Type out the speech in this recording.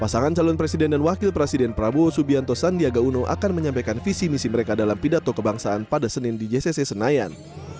pasangan calon presiden dan wakil presiden prabowo subianto sandiaga uno akan menyampaikan visi misi mereka dalam pidato kebangsaan pada senin di jcc senayan